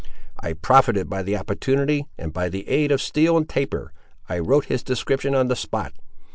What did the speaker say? I profited by the opportunity, and by the aid of steel and taper, I wrote his description on the spot.